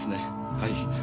はい。